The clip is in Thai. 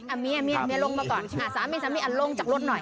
อ่ะเมียลงมาก่อนสามีลงจากรถหน่อย